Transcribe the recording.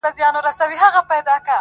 اوس و خپلو ته پردی او بېګانه دی,